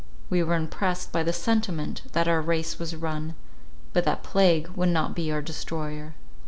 We were impressed by the sentiment, that our race was run, but that plague would not be our destroyer.